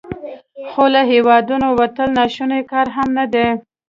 خو له هیواده وتل ناشوني کار هم نه دی.